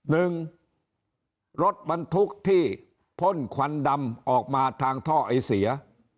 หนึ่งรถบรรทุกที่พ่นควันดำออกมาทางท่อไอเสีย